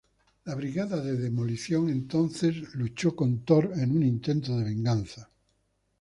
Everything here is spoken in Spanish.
La Brigada de Demolición entonces lucharon con Thor en un intento de venganza.